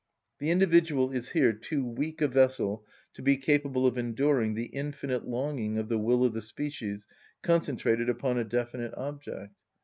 The individual is here too weak a vessel to be capable of enduring the infinite longing of the will of the species concentrated upon a definite object.